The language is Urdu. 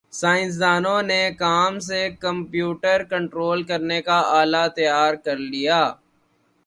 سائنسدانوں نے کام سے کمپیوٹر کنٹرول کرنے کا آلہ تیار کرلیا